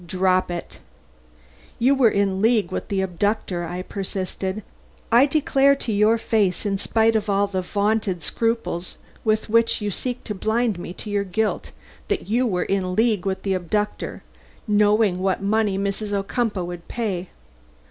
"Drop it." "You were in league with the abductor," I persisted. "I declare to your face, in spite of all the vaunted scruples with which you seek to blind me to your guilt, that you were in league with the abductor, knowing what money Mrs. Ocumpaugh would pay.